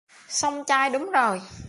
Song trai đúng rồi